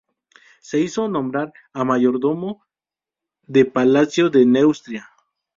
Se hizo nombrar a mayordomo de palacio de Neustria.